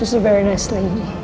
dia sangat baik